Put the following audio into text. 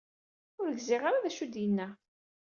Ur gziɣ ara d acu ay d-yenna.